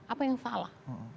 apa yang salah